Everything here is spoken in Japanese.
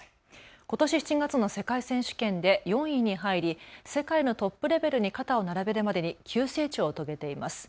ことし７月の世界選手権で４位に入り世界のトップレベルに肩を並べるまでに急成長を遂げています。